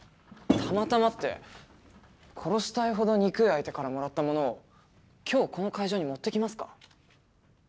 たまたまって殺したいほど憎い相手からもらったものを今日この会場に持ってきますか？